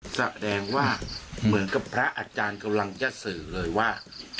แสดงว่าเหมือนกับพระอาจารย์กำลังจะสื่อเลยว่า